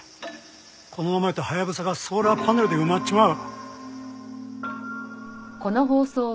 このままやとハヤブサがソーラーパネルで埋まっちまう。